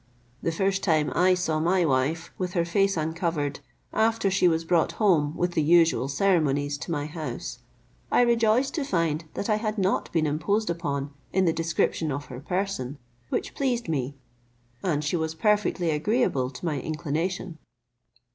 The first time I saw my wife with her face uncovered, after she was brought home with the usual ceremonies to my house, I rejoiced to find that I had not been imposed upon in the description of her person, which pleased me, and she was perfectly agreeable to my inclination.